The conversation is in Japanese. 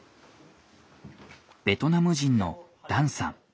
ベトナム人のダンさん。